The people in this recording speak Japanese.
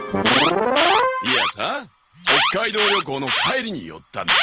いやさ北海道旅行の帰りに寄ったんだ。